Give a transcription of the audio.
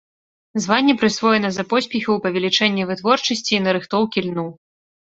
Званне прысвоена за поспехі ў павелічэнні вытворчасці і нарыхтоўкі льну.